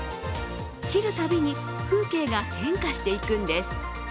切るたびに風景が変化していくんです。